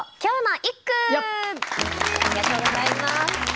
ありがとうございます。